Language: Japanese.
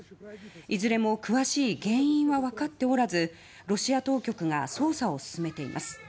いずれも詳しい原因は分かっておらずロシア当局が捜査を進めています。